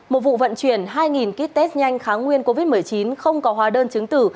một vụ vận chuyển hai kit test nhanh kháng nguyên covid một mươi chín không có hóa đơn chứng tử